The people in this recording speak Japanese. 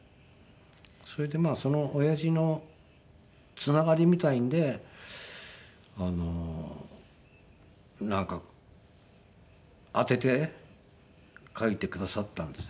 それでその親父のつながりみたいなのでなんか当てて書いてくださったんですね。